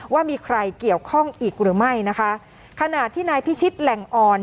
ว่ามีใครเกี่ยวข้องอีกหรือไม่นะคะขณะที่นายพิชิตแหล่งอ่อน